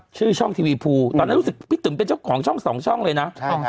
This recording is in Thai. ชื่อช่องทีวีภูตอนนั้นรู้สึกพี่ตุ๋มเป็นเจ้าของช่องสองช่องเลยนะ